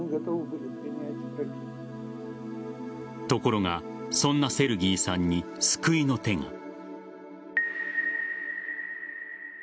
ところがそんなセルギーさんに救いの手が。